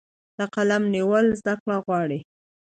د قلم نیول زده کړه غواړي.